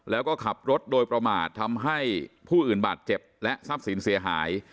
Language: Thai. แล้วก็ขับรถโดยประมาททำให้ผู้อื่นบาดเจ็บและทรัพย์สินเสียหาย